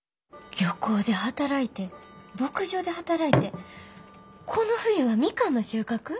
漁港で働いて牧場で働いてこの冬はミカンの収穫？